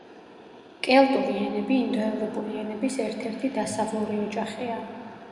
კელტური ენები ინდოევროპული ენების ერთ-ერთი დასავლური ოჯახია.